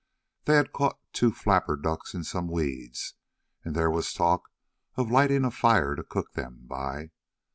They had caught two flapper ducks in some weeds, and there was a talk of lighting a fire to cook them by.